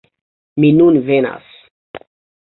Mi nun venas!